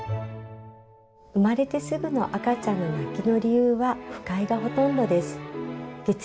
生まれてすぐの赤ちゃんの泣きの理由は不快がほとんでです。